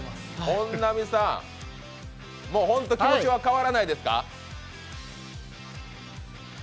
本並さん、もうホント気持ちは変わらないですか。